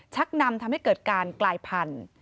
ชักนำทำให้เกิดการกลายพันธุ์